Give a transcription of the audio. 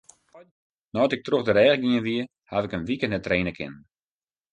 Nei't ik troch de rêch gien wie, haw ik in wike net traine kinnen.